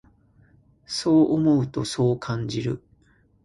そう思うと、そう感じる。